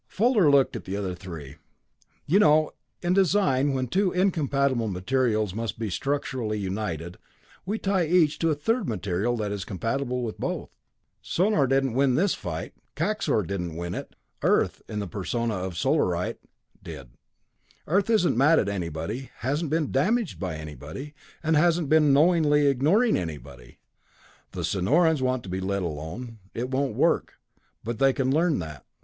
Fuller looked at the other three. "You know, in design when two incompatible materials must be structurally united, we tie each to a third material that is compatible with both. "Sonor didn't win this fight. Kaxor didn't win it. Earth in the persona of the Solarite did. Earth isn't mad at anybody, hasn't been damaged by anybody, and hasn't been knowingly ignoring anybody. "The Sonorans want to be let alone; it won't work, but they can learn that.